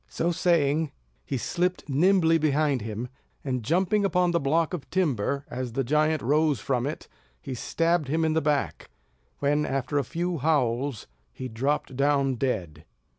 So saying, he slipped nimbly behind him, and jumping upon the block of timber, as the giant rose from it, he stabbed him in the back; when, after a few howls, he dropped down dead.